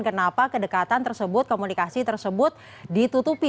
kenapa kedekatan tersebut komunikasi tersebut ditutupi